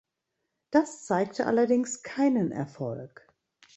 Das zeigte allerdings keinen Erfolg.